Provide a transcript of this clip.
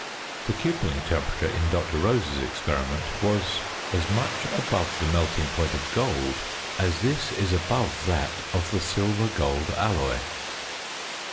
The cupelling temperature in Dr. Rose's experiment was as much above the melting point of gold as this is above that of the silver gold alloy.